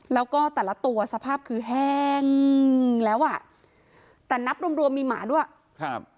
แล้วก็แต่ละตัวสภาพคือแห้งแล้วอ่ะแต่นับรวมรวมมีหมาด้วยครับ